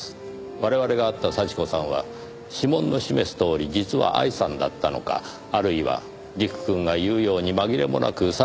我々が会った幸子さんは指紋の示すとおり実は愛さんだったのかあるいは吏玖くんが言うように紛れもなく幸子さんだったのか。